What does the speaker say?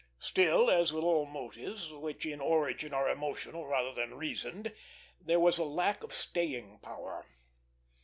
Still, as with all motives which in origin are emotional rather than reasoned, there was lack of staying power.